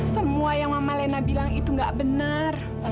semua yang mama lena bilang itu nggak benar